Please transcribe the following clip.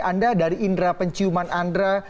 anda dari indera penciuman anda